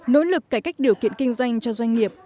nỗ lực cải cách điều kiện kinh doanh cho doanh nghiệp